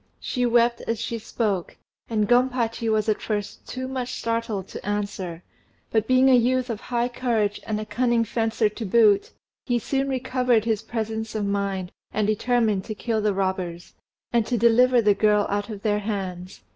She wept as she spoke, and Gompachi was at first too much startled to answer; but being a youth of high courage and a cunning fencer to boot, he soon recovered his presence of mind, and determined to kill the robbers, and to deliver the girl out of their hands.